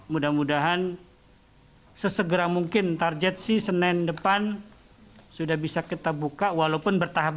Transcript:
mudah mudahan sesegera mungkin target sih senin depan sudah bisa kita buka walaupun bertahap